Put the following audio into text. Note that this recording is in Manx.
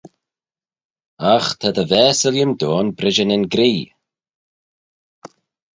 Agh ta dty vaase, Illiam Dhone, brishey nyn gree!